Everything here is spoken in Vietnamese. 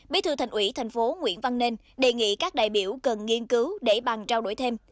bí thư thành ủy tp nguyễn văn nên đề nghị các đại biểu cần nghiên cứu để bằng trao đổi thêm